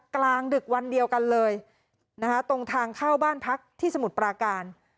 กลางดึกวันเดียวกันเลยนะคะตรงทางเข้าบ้านพักที่สมุทรปราการ